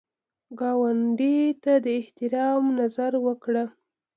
ګاونډي ته د احترام نظر وکړه